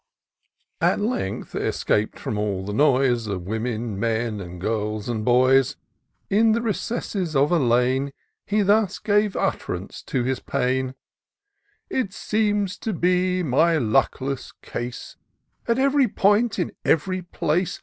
At length, escaped from all the noise Of women, men, and girls and boys. In the recesses of a lane He thus gave utt'rance to his pain :—It seems to be my luckless case. At ev'ry point, in every place.